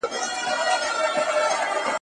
• چي خداى ئې در کوي، بټل ئې يار دئ.